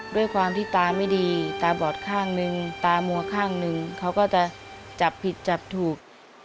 ด้วยความที่ตาไม่ดีตาบอดข้างนึงตามัวข้างหนึ่งเขาก็จะจับผิดจับถูก